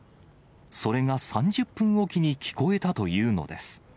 それが３０分置きに聞こえたというのです。